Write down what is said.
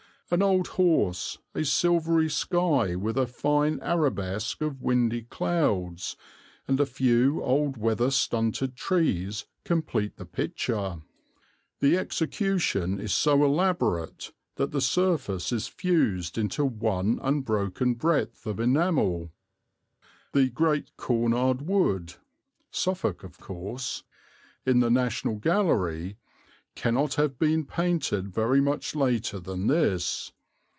An old horse, a silvery sky with a fine arabesque of windy clouds, and a few old weather stunted trees complete the picture. The execution is so elaborate that the surface is fused into one unbroken breadth of enamel. The Great Cornard Wood," (Suffolk of course) "in the National Gallery, cannot have been painted very much later than this.